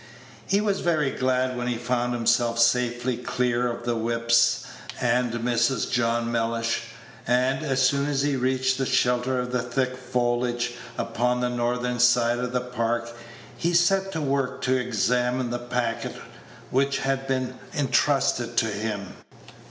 He was very glad when he found himself safely clear of the whips and Mrs. John Mellish, and, as soon as he reached the shelter of the thick foliage upon the northern side of the Park, he set to work to examine the packet which had been intrusted to him.